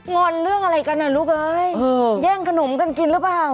อนเรื่องอะไรกันอ่ะลูกเอ้ยแย่งขนมกันกินหรือเปล่า